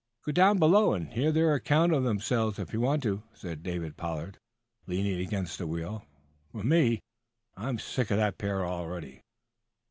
"Go down below, and hear their account of themselves, if you want to," said David Pollard, leaning against the wheel. "For myself, I'm sick of that pair already."